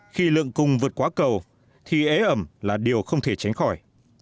khi lượng cung vượt quá cầu thì ế ẩm là điều không thể tránh khỏi